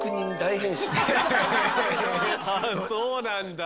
あそうなんだ。